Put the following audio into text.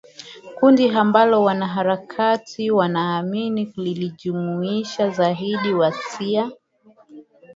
kundi ambalo wanaharakati wanaamini lilijumuisha zaidi washia